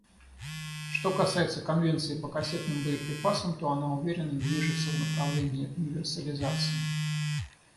Что касается Конвенции по кассетным боеприпасам, то она уверенно движется в направлении универсализации.